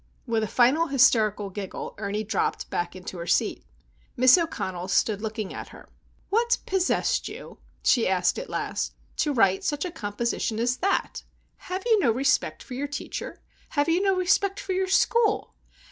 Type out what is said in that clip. With a final, hysterical giggle, Ernie dropped back into her seat. Miss O'Connell stood looking at her. "What possessed you," she asked at last, "to write such a composition as that? Have you no respect for your teacher? have you no respect for your school?